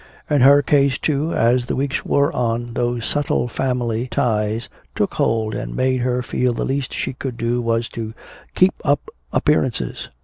In her case too, as the weeks wore on, those subtle family ties took hold and made her feel the least she could do was "to keep up appearances."